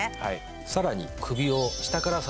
さらに。